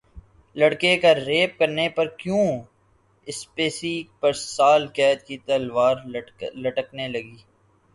لڑکے کا ریپ کرنے پر کیون اسپیسی پر سال قید کی تلوار لٹکنے لگی